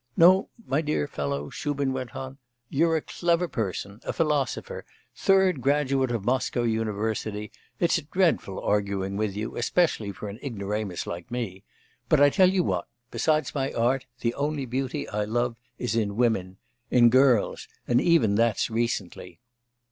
'No, my dear fellow,' Shubin went on, 'you're a clever person, a philosopher, third graduate of the Moscow University; it's dreadful arguing with you, especially for an ignoramus like me, but I tell you what; besides my art, the only beauty I love is in women... in girls, and even that's recently.